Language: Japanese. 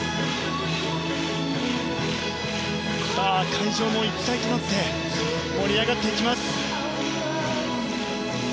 会場も一体となって盛り上がっていきます。